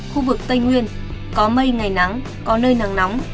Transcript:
khu vực tây nguyên có mây ngày nắng có nơi nắng nóng